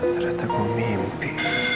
ternyata aku mimpi